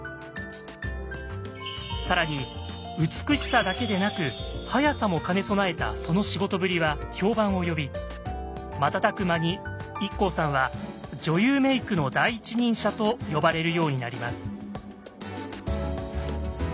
更に美しさだけでなく速さも兼ね備えたその仕事ぶりは評判を呼び瞬く間にＩＫＫＯさんは「女優メイクの第一人者」と呼ばれるようになります。